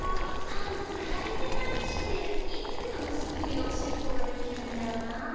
パンツはいてないしいつでもすぐにおしっこができるんだよなあ。